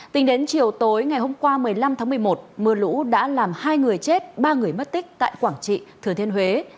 tính đến chiều tối ngày hôm qua một mươi năm tháng một mươi một mưa lũ đã làm hai người chết ba người mất tích tại quảng trị thừa thiên huế